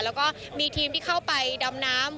แล้วก็มีทีมที่เข้าไปดำน้ำ